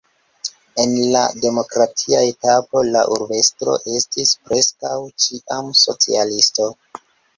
En la demokratia etapo la urbestro estis preskaŭ ĉiam socialisto.